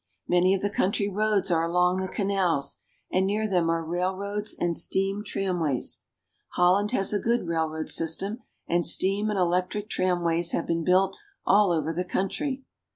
Many of the country roads are along the canals, and near them are railroads and steam tramways. . Holland has a good railroad system, and steam and electric tram ways have been built all over the country.